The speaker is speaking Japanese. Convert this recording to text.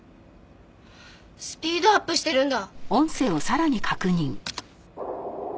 スピードアップしてるんだ！